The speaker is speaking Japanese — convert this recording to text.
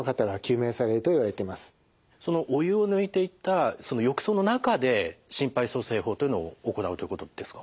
そのお湯を抜いていたその浴槽の中で心肺蘇生法というのを行うということですか？